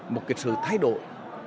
một cái sự thay đổi